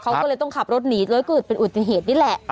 เขาก็เลยต้องขับรถหนีแล้วก็เกิดเป็นอุบัติเหตุนี่แหละ